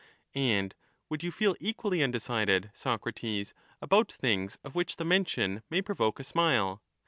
And would you feel equally undecided, Socrates, about things of which the mention may provoke a smile